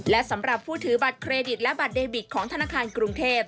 และสำหรับผู้ถือบัตรเครดิตและบัตรเดบิตของธนาคารกรุงเทพ